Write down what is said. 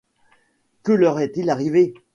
Que leur est-il arrivé?...